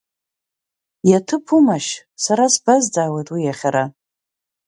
Иаҭыԥумашь, сара сбазҵаауеит уи иахьа ара?